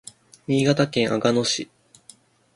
新潟県阿賀野市